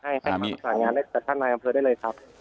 ให้ประสานงานได้จากท่านนายอำเภอได้เลยครับ